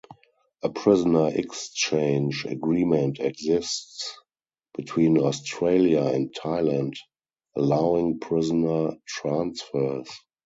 A prisoner exchange agreement exists between Australia and Thailand allowing prisoner transfers.